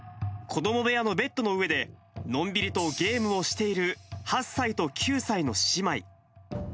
子ども部屋のベッドの上で、のんびりとゲームをしている８歳と９歳の姉妹。